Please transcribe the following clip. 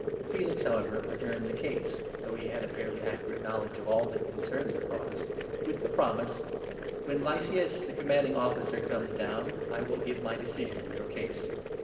" Felix, however, adjourned the case — though he had a fairly 22 accurate knowledge of all that concerned the Cause — with the promise : "When Lysias, the Commanding Officer, comes down, I will give my 'decision in your case."